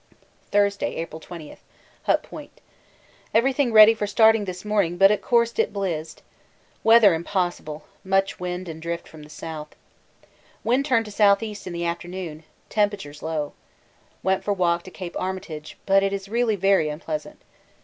Thursday, April 20. Hut Point. Everything ready for starting this morning, but of course it 'blizzed.' Weather impossible much wind and drift from south. Wind turned to S.E. in afternoon temperatures low. Went for walk to Cape Armitage, but it is really very unpleasant.